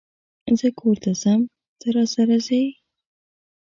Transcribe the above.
زه کور ته ځم ته، راسره ځئ؟